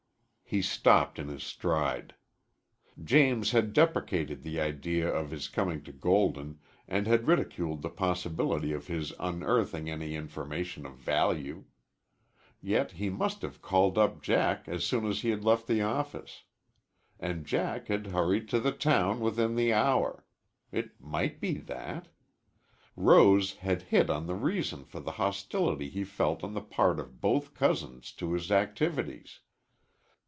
He stopped in his stride. James had deprecated the idea of his coming to Golden and had ridiculed the possibility of his unearthing any information of value. Yet he must have called up Jack as soon as he had left the office. And Jack had hurried to the town within the hour. It might be that. Rose had hit on the reason for the hostility he felt on the part of both cousins to his activities.